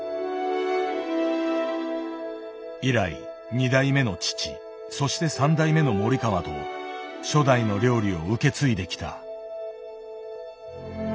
以来２代目の父そして３代目の森川と初代の料理を受け継いできた。